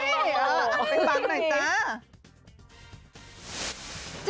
อ้อไม่นะจ๊ะ